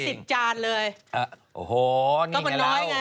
อู้วกินได้๑๐จานเลยก็มันน้อยไง